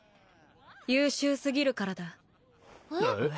優秀すぎるからだえっ？